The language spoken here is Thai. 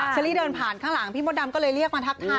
ฉารี่เดินผ่านข้างหลังพริบทดำโดมเรียกมาทับทาย